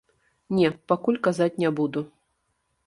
Не, пакуль казаць не буду.